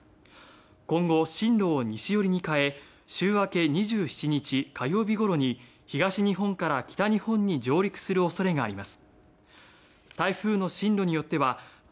今後、進路を西寄りに変え週明け、２７日火曜日ごろに東日本から北日本に上陸する恐れがあります。